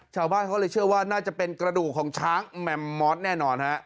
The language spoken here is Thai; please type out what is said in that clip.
ชาวบ้านเขาเลยเชื่อว่าน่าจะเป็นกระดูกของช้างแมมมอสแน่นอนฮะ